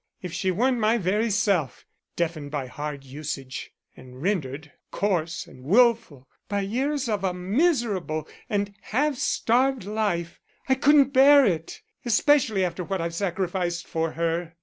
If she weren't my very self, deafened by hard usage, and rendered coarse and wilful by years of a miserable and half starved life, I couldn't bear it, especially after what I've sacrificed for her.